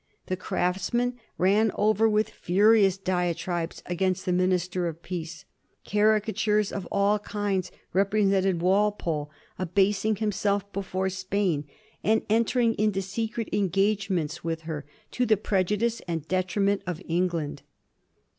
The Craftsman ran over with furious diatribes against the Minister of Peace. Caricatures of all kinds represented Walpole abasing him* self before Spain and entering into secret engagements with her, to the prejudice and detriment of England.